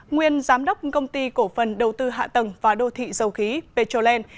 nguyên giám đốc công ty cổ phần đầu tư hạ tầng và đô thị dầu khí petroland